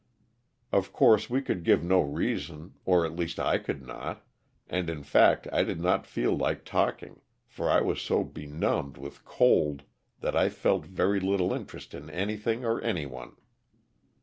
Of course wo could give no reason, or at least 1 could not, and in fact I did not feel like talking for I was so benumbed with cold that I felt very little interest in anything or anyone.